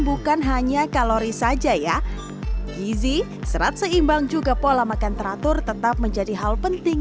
bukan hanya kalori saja ya gizi serat seimbang juga pola makan teratur tetap menjadi hal penting